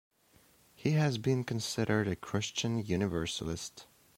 He has been considered a Christian universalist.